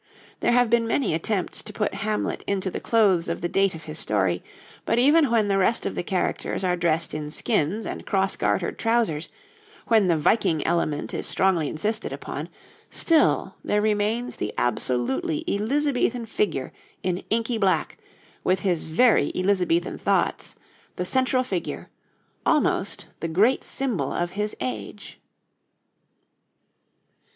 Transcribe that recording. There have been many attempts to put 'Hamlet' into the clothes of the date of his story, but even when the rest of the characters are dressed in skins and cross gartered trousers, when the Viking element is strongly insisted upon, still there remains the absolutely Elizabethan figure in inky black, with his very Elizabethan thoughts, the central figure, almost the great symbol of his age.